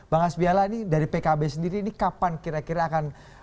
bang asbiala ini dari pkb sendiri ini kapan kira kira akan